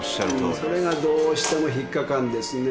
それがどうしても引っ掛かんですね。